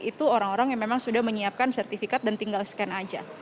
itu orang orang yang memang sudah menyiapkan sertifikat dan tinggal scan aja